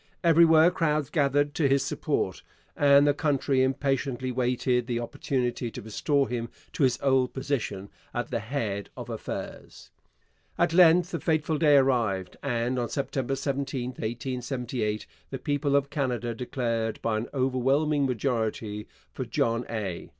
Everywhere crowds gathered to his support, and the country impatiently waited the opportunity to restore him to his old position at the head of affairs. At length the fateful day arrived, and on September 17, 1878, the people of Canada declared by an overwhelming majority for 'John A.'